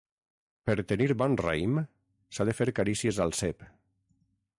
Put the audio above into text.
Per tenir bon raïm s'ha de fer carícies al cep.